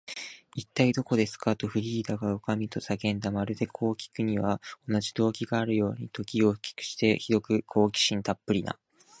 「いったい、どこですか？」と、フリーダとおかみとが叫んだ。まるで、こうきくのには同じ動機があるかのように、時を同じくして、ひどく好奇心たっぷりな